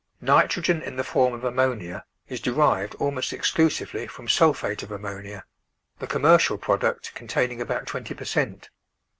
Nitrogen in the form of ammonia is derived almost exclusively from sulphate of ammonia, the commercial product containing about twenty per cent.